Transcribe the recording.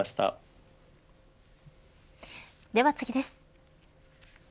では次です。